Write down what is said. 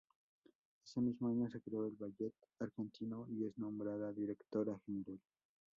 Ese mismo año se creó el Ballet Argentino y es nombrada directora general.